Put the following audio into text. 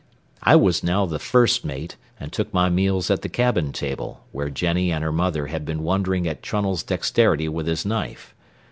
I was now the first mate and took my meals at the cabin table, where Jennie and her mother had been wondering at Trunnell's dexterity with his knife.